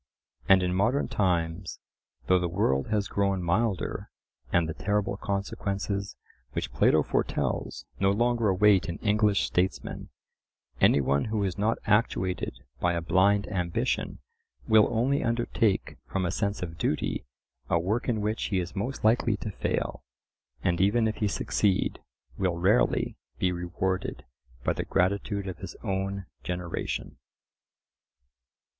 And in modern times, though the world has grown milder, and the terrible consequences which Plato foretells no longer await an English statesman, any one who is not actuated by a blind ambition will only undertake from a sense of duty a work in which he is most likely to fail; and even if he succeed, will rarely be rewarded by the gratitude of his own generation.